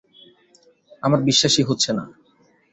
আমার বিশ্বাসই হচ্ছে না।